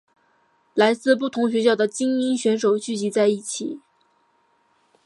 来自不同学校的菁英选手聚集在一起。